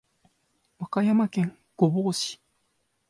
和歌山県御坊市